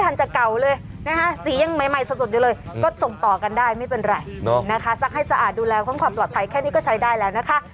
นะคะซักให้สะอาดดูแลความปลอดภัยแค่นี้ก็ใช้ได้แล้วนะคะ